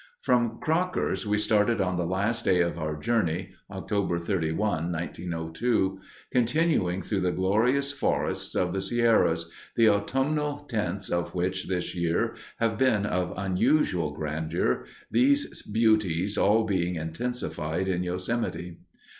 From Crockers, we started on the last day of our journey [Oct. 31, 1902], continuing through the glorious Forests of the Sierras, the autumnal tints of which this year, have been of unusual grandeur—these beauties all being intensified in Yo Semite.